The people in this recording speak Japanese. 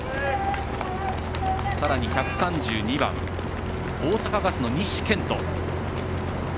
さらに、１３２番大阪ガスの西研人。